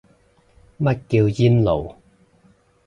乜叫窗爐